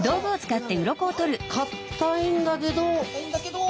かたいんだけど。